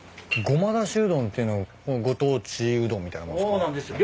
ごまだしうどんっていうのご当地うどんみたいな物っすか？